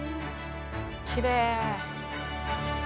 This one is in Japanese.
きれい。